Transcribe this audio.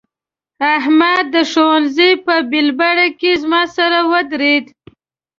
احمد د ښوونځي په بېلبره کې زما سره ودرېد.